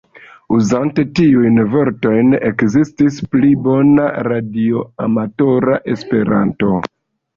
Uzante tiujn vortojn ekestis pli bona radioamatora Esperanto.